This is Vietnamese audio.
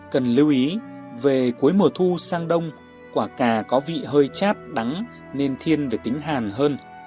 cần lưu ý về cuối mùa thu sang đông quả cà có vị hơi chát đắng nên thiên phải tính hàn hơn